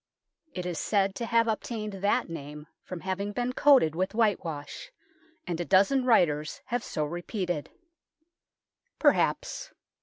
It is said to have obtained that name from having been coated with whitewash, and a dozen writers have so repeated. Perhaps.